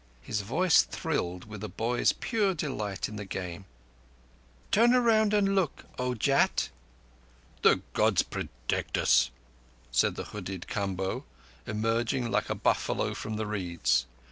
His voice thrilled with a boy's pure delight in the Game. "Turn and look, O Jat!" "The Gods protect us," said the hooded Kamboh, emerging like a buffalo from the reeds.